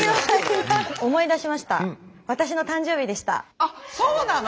あそうなの？